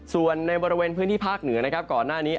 ส่วนในบริเวณพื้นที่ภาคเหนือนะครับก่อนหน้านี้